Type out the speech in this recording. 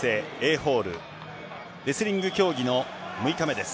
ホールレスリング競技の６日目です。